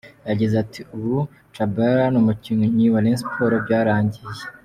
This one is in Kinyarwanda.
Yagize ati “Ubu Tchabalala ni umukinnyi wa Rayon Sports, byarangiye.